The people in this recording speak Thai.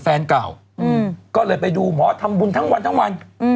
แฟนเก่าก็เลยไปดูหมอทำบุญทั้งวันทั้งวัน